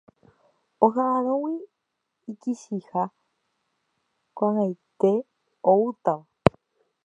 Oha'ãrõgui ikichiha ko'ag̃aite oútava.